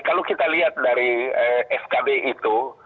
kalau kita lihat dari skb itu